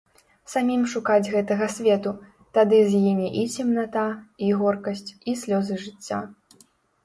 Самім шукаць гэтага свету, тады згіне і цемната, і горкасць, і слёзы жыцця.